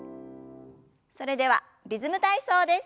それでは「リズム体操」です。